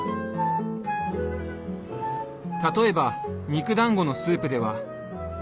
例えば肉だんごのスープでは。